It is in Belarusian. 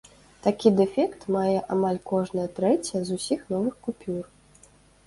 Такі дэфект мае амаль кожная трэцяя з усіх новых купюр.